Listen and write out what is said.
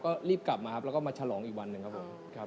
ก็รีบกลับมาครับแล้วก็มาฉลองอีกวันหนึ่งครับผมครับ